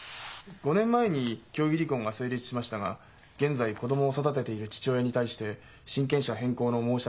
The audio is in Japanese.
５年前に協議離婚が成立しましたが現在子供を育てている父親に対して親権者変更の申し立てを起こしました。